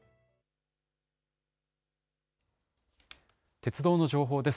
鉄道の情報です。